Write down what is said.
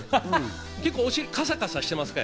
結構、お尻カサカサしてますか？